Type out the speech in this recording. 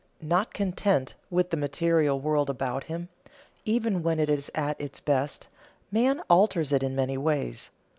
Not content with the material world about him, even when it is at its best, man alters it in many ways.